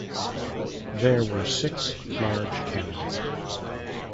There were six large cannon.